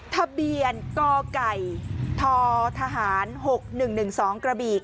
ทะเบียนกไก่ททหาร๖๑๑๒กระบี่